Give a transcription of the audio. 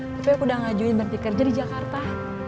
tapi aku udah ngajuin berhenti kerja di jakarta